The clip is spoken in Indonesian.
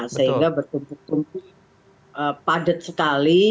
sehingga bertumpu tumpu padat sekali